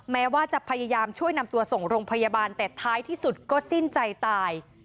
แม้ว่าจะพยายามช่วยนำตัวส่งโรงพยาบาลแต่ท้ายที่สุดก็สิ้นใจตาย